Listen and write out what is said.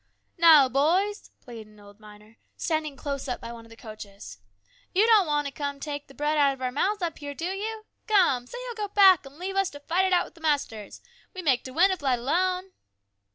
" Now, boys," pleaded an old miner, standing close up by one of the coaches, " you don't want to take bread out of our mouths up here, do you ? Come ! Say ye'll go back and leave us to fight it out with the masters. We make to win if let alone."